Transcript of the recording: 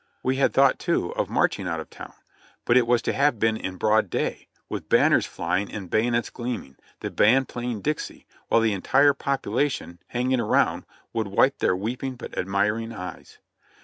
We had thought, too, of marching out of town, but it was to have been in broad day, with banners flying and bayonets gleaming, the band playing "Dixie," while the entire population, hanging around, would wipe their weeping but admir ing eyes.